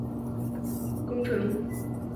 优先进行补强工程